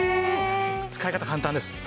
使い方簡単です。